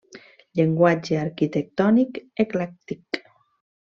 Llenguatge arquitectònic eclèctic.